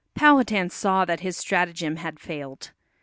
Powhatan saw that his stratagem had failed.